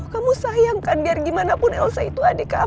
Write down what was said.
kamu sayang kan biar gimana pun elsa itu adek kamu kan